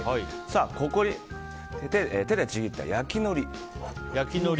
ここに手でちぎった焼きのり。